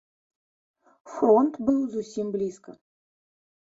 Фронт быў зусім блізка.